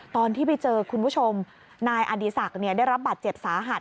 ตอนที่ไปเจอคุณผู้ชมนายอดีศักดิ์ได้รับบาดเจ็บสาหัส